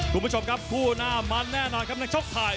คุณผู้ชมกับคู่น้ำมาแน่นานกับนักชกไทย